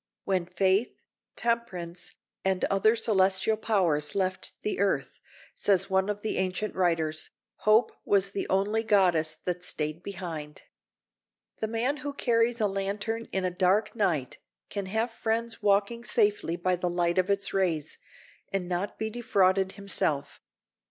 "When faith, temperance, and other celestial powers left the earth," says one of the ancient writers, "Hope was the only goddess that stayed behind." The man who carries a lantern in a dark night can have friends walking safely by the light of its rays, and not be defrauded himself.